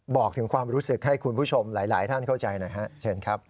บอกถึงความรู้สึกให้คุณผู้ชมหลายท่านเข้าใจหน่อยฮะเชิญครับ